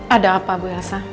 ada apa bu elsa